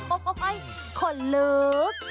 โอ้ยคนลึก